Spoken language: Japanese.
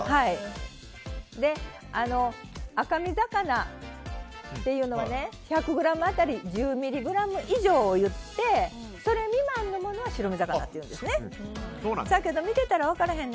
赤身魚っていうのは１００ｇ当たり１０ｍｇ以上をいってそれ未満のものは白身魚っていうんです。